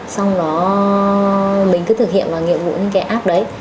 xong đó mình cứ thực hiện vào nhiệm vụ những cái app đấy